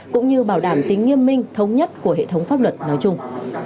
cũng như bảo đảm tính nghiêm minh thống nhất của hệ thống pháp luật nói chung